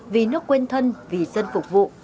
vì nước quên thân vì dân phục vụ